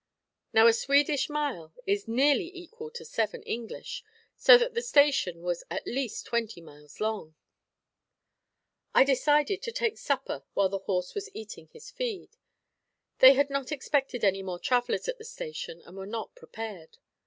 Now a Swedish mile is nearly equal to seven English, so that the station was at least twenty miles long. I decided to take supper while the horse was eating his feed. They had not expected any more travellers at the station, and were not prepared.